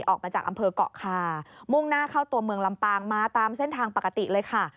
ออกมาจากอำเภอกเกาะคามุ่งหน้าเข้าตัวเมืองลำปางมาตามเส้นทางปกติเลยค่ะ